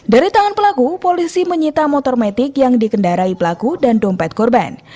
dari tangan pelaku polisi menyita motor metik yang dikendarai pelaku dan dompet korban